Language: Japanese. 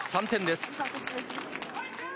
３点です。